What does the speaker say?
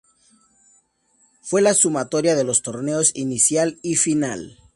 Fue la sumatoria de los torneos Inicial y Final.